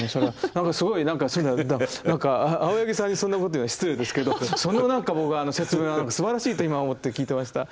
何かすごい何か青柳さんにそんなこと言うのは失礼ですけどその何か僕説明はすばらしいと今思って聞いてました。